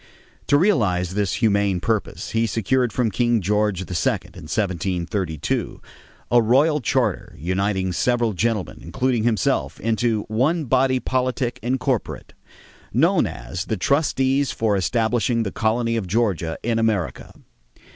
To realize this humane purpose, he secured from King George II, in 1732, a royal charter uniting several gentlemen, including himself, into "one body politic and corporate," known as the "Trustees for establishing the colony of Georgia in America."